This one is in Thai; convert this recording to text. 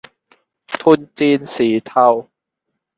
ทุนจีนสีเทา